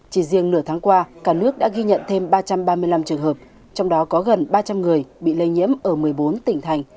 chỉ riêng nửa tháng qua cả nước đã ghi nhận thêm ba trăm ba mươi năm trường hợp trong đó có gần ba trăm linh người bị lây nhiễm ở một mươi bốn tỉnh thành